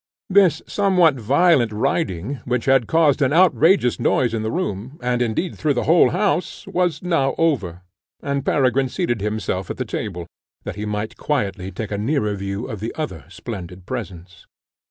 This somewhat violent riding, which had caused an outrageous noise in the room, and indeed through the whole house, was now over, and Peregrine seated himself at the table, that he might quietly take a nearer view of the other splendid presents.